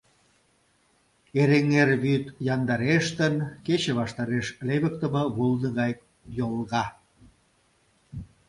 Эрэҥер вӱд яндарештын, кече ваштареш левыктыме вулно гай йолга.